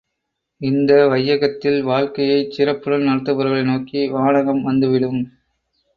இந்த வையகத்தில் வாழ்க்கையைச் சிறப்புடன் நடத்துபவர்களை நோக்கி வானகம் வந்துவிடும்.